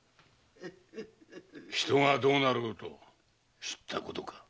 人がどうなろうと知ったことか。